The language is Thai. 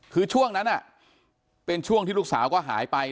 คือช่วงนั้นเป็นช่วงที่ลูกสาวก็หายไป